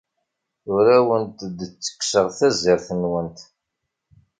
Ur awent-d-ttekkseɣ tazart-nwent.